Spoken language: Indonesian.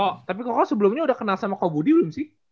kok tapi kokoh sebelumnya udah kenal sama kak budi belum sih